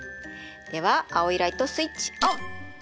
では青いライトスイッチオン！